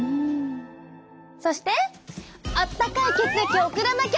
そしてあったかい血液を送らなきゃ！